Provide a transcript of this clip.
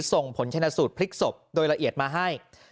ส่งผลชนะสูตรพลิกศพโดยละเอียดมาให้